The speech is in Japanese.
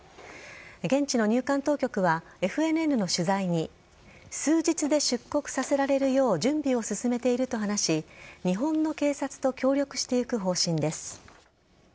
現地の入管当局はＦＮＮの取材に数日で出国させられるよう準備を進めていると話し日本の警察と協力していく方針です。